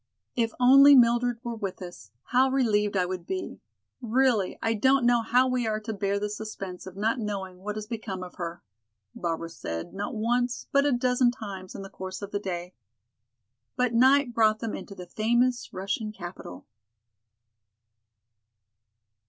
"If only Mildred were with us, how relieved I would be. Really, I don't know how we are to bear the suspense of not knowing what has become of her," Barbara said not once, but a dozen times in the course of the day. But night brought them into the famous Russian capital.